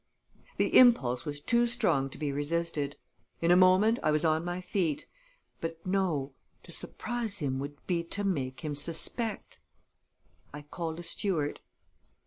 The impulse was too strong to be resisted. In a moment I was on my feet but, no to surprise him would be to make him suspect! I called a steward.